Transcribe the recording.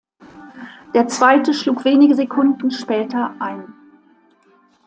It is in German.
Der zweite schlug wenige Sekunden später ein.